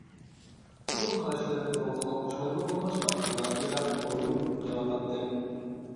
ئۇنىڭ قاراشلىرى بۇرۇنقىغا ئوخشىمايدىغان بولغاچقا نادىرە قورۇنۇپ قىلىۋاتاتتى.